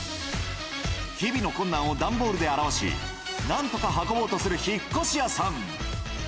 日々の困難を段ボールで表し、なんとか運ぼうとする引っ越し屋さん。